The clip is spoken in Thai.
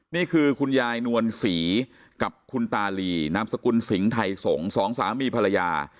นี่คือคุณยายนวลศรีกับคุณตาลีนามสกุลสิงห์ไทยสงศ์สองสามีภรรยา